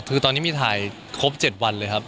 คือตอนนี้มีถ่ายครบ๗วันเลยครับ